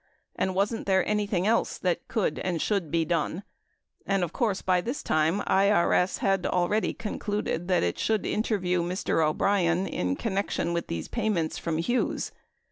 and wasn't there any thing else that could and should be done ; and of course, by this time, IBS had already concluded that it should interview Mr. O'Brien in connection with these payments from Hughes.